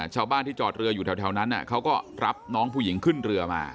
ชาวบ้านที่จอดเรืออยู่แถวนั้นเขาก็รับน้องผู้หญิงขึ้นเรือมา